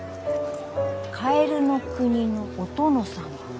カエルの国のお殿様。